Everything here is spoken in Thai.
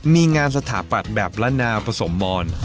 มีงานสถาปัสแบบล่าน่าผสมมอน